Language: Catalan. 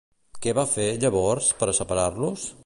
Què va fer, llavors, per a separar-los?